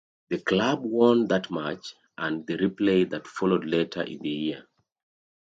The club won that match and the replay that followed later in the year.